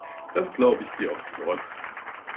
Das glaube ich dir aufs Wort.